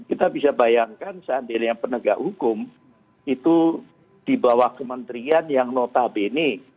kita bisa bayangkan seandainya penegak hukum itu di bawah kementerian yang notabene